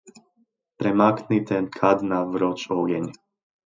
Premaknite kad na vroč ogenj.